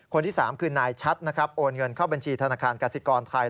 คนที่๓คือนายชัดนะครับโอนเงินเข้าบัญชีธนาคารกสิกรไทย